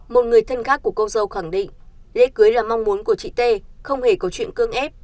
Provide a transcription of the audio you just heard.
một người thân khác của cô dâu khẳng định lễ cưới là mong muốn của chị t không hề có chuyện cương ép